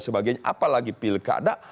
sebagainya apalagi pilkada